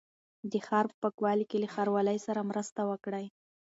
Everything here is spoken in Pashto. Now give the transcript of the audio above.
د ښار په پاکوالي کې له ښاروالۍ سره مرسته وکړئ.